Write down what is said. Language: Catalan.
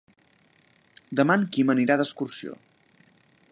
Demà en Quim anirà d'excursió.